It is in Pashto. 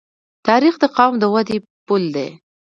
تاریخ د قوم د ودې پل دی.